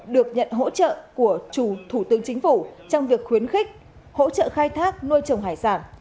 được nhận hỗ trợ của chủ thủ tướng chính phủ trong việc khuyến khích hỗ trợ khai thác nuôi trồng hải sản